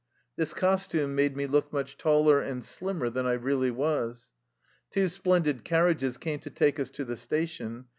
This costume made me look much taller and slimmer than I really was. Two splendid carriages came to take us to the station.